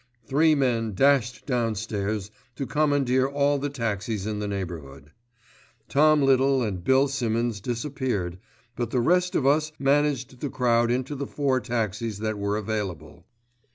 Three men dashed downstairs to commandeer all the taxis in the neighbourhood. Tom Little and Bill Simmonds disappeared; but the rest of us managed the crowd into the four taxis that were available.